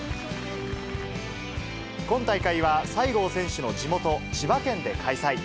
今大会は西郷選手の地元、千葉県で開催。